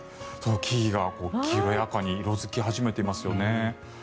木々が黄色や赤に色付き始めていますよね。